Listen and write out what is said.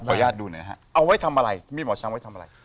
อนุญาตดูหน่อยนะฮะเอาไว้ทำอะไรมีหมอช้างไว้ทำอะไร